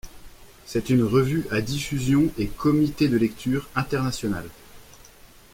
C'est une revue à diffusion et comité de lecture international.